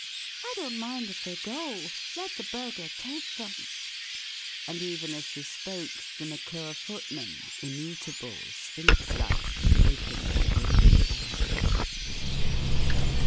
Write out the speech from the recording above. I don't mind if they go. Let the burglar take them !" And even as she spoke, the Maclure footman, immutable, sphinx like, opened the door for her.